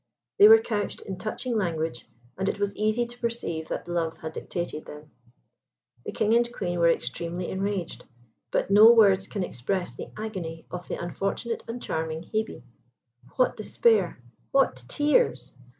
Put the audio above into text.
They were couched in touching language, and it was easy to perceive that love had dictated them. The King and Queen were extremely enraged; but no words can express the agony of the unfortunate and charming Hebe. What despair! what tears!